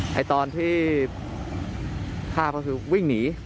ในตอนที่ฆ่าเขาคือวิ่งหนี